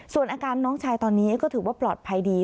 ส่วนอาการน้องชายตอนนี้ก็ถือว่าปลอดภัยดี